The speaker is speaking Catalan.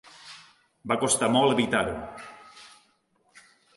Va costar molt evitar-ho.